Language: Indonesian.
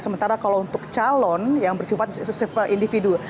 sementara kalau untuk calon yang bersifat individu misalnya adalah ijazah yang belum dikalisir